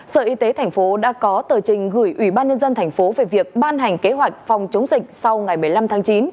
sở y tế thành phố đã có tờ trình gửi ủy ban nhân dân thành phố về việc ban hành kế hoạch phòng chống dịch sau ngày một mươi năm tháng chín